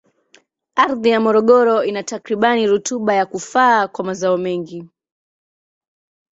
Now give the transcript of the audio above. Ardhi ya Morogoro ina takribani rutuba ya kufaa kwa mazao mengi.